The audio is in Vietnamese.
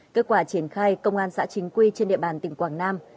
kết quả triển khai công an xã chính quy trên địa bàn tỉnh quảng nam